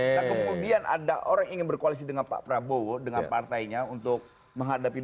nah kemudian ada orang ingin berkoalisi dengan pak prabowo dengan partainya untuk menghadapi dua ribu dua puluh empat